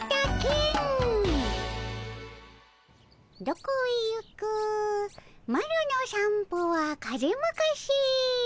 「どこへゆくマロの散歩は風まかせ。